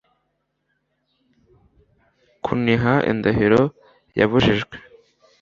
kuniha indahiro yabujijwe